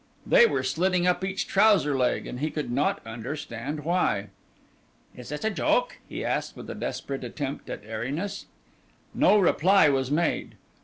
They were slitting up each trouser leg, and he could not understand why. "Is this a joke?" he asked with a desperate attempt at airiness. No reply was made.